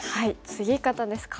ツギ方ですか。